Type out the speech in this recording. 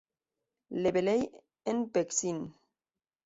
Le Bellay-en-Vexin